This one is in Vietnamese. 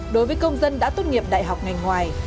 đối với công dân đã tốt nghiệp đại học ngành ngoài